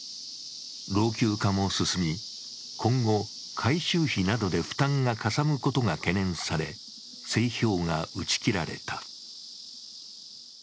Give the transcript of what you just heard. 老朽化も進み、今後、改修費などで負担がかさむことが懸念され、製氷が打ち切られた。